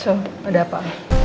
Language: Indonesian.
so ada apa